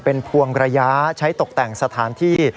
เป็นพวงระยะใช้ตกแต่งสถานที่